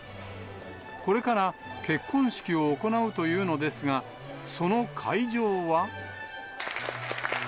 これから結婚式を行うというのですが、その会場は。